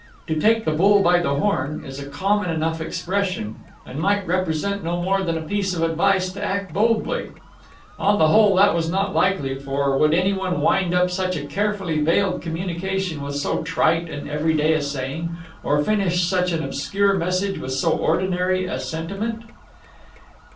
To take the bull by the horn, is a common enough expression, and might represent no more than a piece of advice to act boldly; on the whole that was not likely, for would anyone wind up such a carefully veiled communication with so trite and everyday a saying, or finish such an obscure message with so ordinary a sentiment?